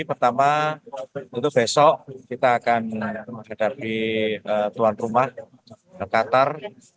pertama tentu besok kita akan menghadapi tuan rumah qatar